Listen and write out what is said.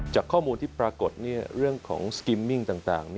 จากข้อมูลที่ปรากฏเรื่องของสกิมมิ่งต่าง